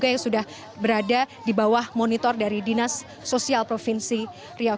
yang sudah berada di bawah monitor dari dinas sosial provinsi riau